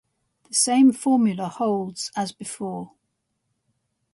The same formula holds as before.